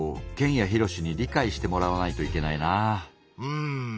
うん。